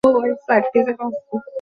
আমার সম্বন্ধে কথা হয়েছিল কি না?